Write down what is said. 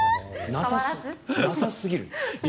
なさすぎる。